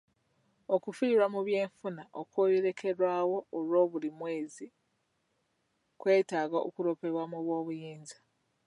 Okufiirwa mu by'enfuna okweyolekerawo olw'obuli bw'enguzi kwetaaga okuloopebwa mu b'obuyinza.